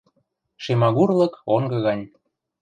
Шемагур лык онгы гань.